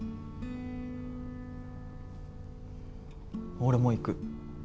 俺も行く。